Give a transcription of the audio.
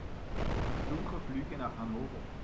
Suche Flüge nach Hannover.